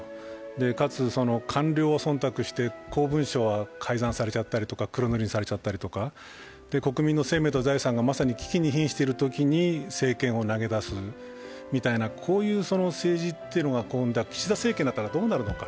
かつ官僚忖度して公文書は改ざんされたり黒塗りにされちゃったりとか国民の生命と財産がまさに危機に瀕しているときに政権を投げ出すみたいな、こういう政治というのは、岸田政権だったらどうなるのか。